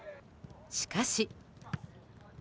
しかし。